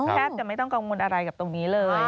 แทบจะไม่ต้องกังวลอะไรกับตรงนี้เลย